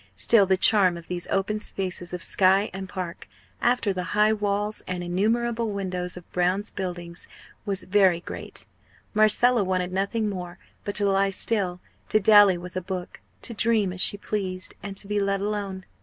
Still the charm of these open spaces of sky and park, after the high walls and innumerable windows of Brown's Buildings, was very great; Marcella wanted nothing more but to lie still, to dally with a book, to dream as she pleased, and to be let alone.